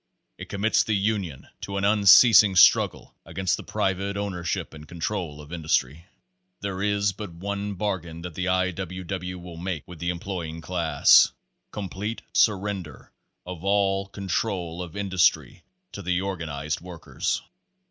It commits the union to an unceasing struggle against the private ownership and control of industry. There is but one bargain that the I. W. W. will make with the employing class COMPLETE SURRENDER OF ALL CONTROL OF INDUSTRY TO THE ORGAN IZED WORKERS.